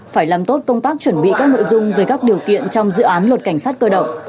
phải làm tốt công tác chuẩn bị các nội dung về các điều kiện trong dự án luật cảnh sát cơ động